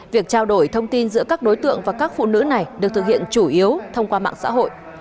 việc trao đổi thông tin giữa các đối tượng và các phụ nữ này được thực hiện chủ yếu thông qua mạng xã hội